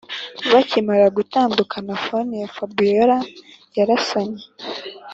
bakimara gutandukana phone ya fabiora yarasonye